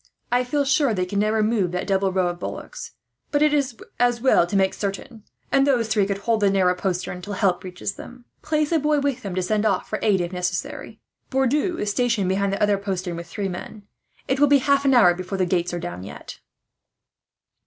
I feel sure they can never move that double row of bullocks, but it is as well to make certain; and those three could hold the narrow postern, till help reaches them. Place a boy with them to send off for aid, if necessary. "Bourdou is stationed behind the other postern, with three men. It will be half an hour before the gates are down, yet."